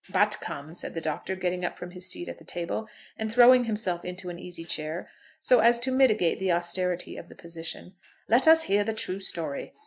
"But come," said the Doctor, getting up from his seat at the table, and throwing himself into an easy chair, so as to mitigate the austerity of the position; "let us hear the true story.